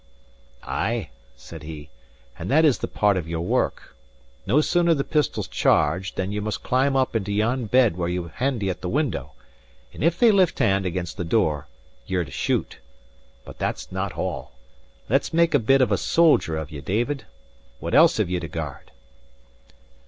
"Ay," said he, "and that is a part of your work. No sooner the pistols charged, than ye must climb up into yon bed where ye're handy at the window; and if they lift hand against the door, ye're to shoot. But that's not all. Let's make a bit of a soldier of ye, David. What else have ye to guard?"